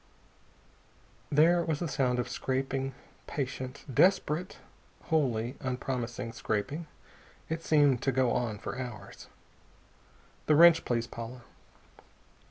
There was the sound of scraping, patient, desperate, wholly unpromising scraping. It seemed to go on for hours. "The wrench, please, Paula."